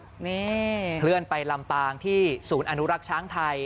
นี่เคลื่อนไปลำปางที่ศูนย์อนุรักษ์ช้างไทย